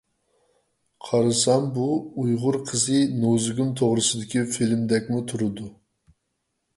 قارىسام بۇ ئۇيغۇر قىزى نۇزۇگۇم توغرىسىدىكى فىلىمدەكمۇ تۇرىدۇ.